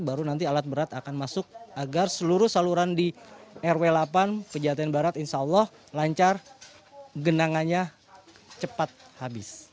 baru nanti alat berat akan masuk agar seluruh saluran di rw delapan pejaten barat insya allah lancar genangannya cepat habis